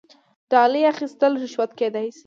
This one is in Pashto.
ډالۍ اخیستل رشوت کیدی شي